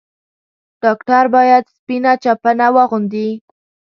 ډاکټر بايد سپينه چپنه واغوندي.